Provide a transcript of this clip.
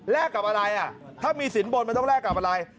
กับอะไรถ้ามีสินบนมันต้องแลกกับอะไร